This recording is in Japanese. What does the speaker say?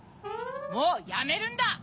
もうやめるんだ。